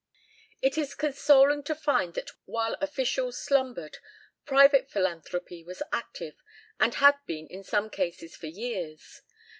It is consoling to find that while officials slumbered, private philanthropy was active, and had been in some cases for years.